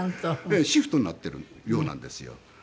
シフトになっているようなんですよ。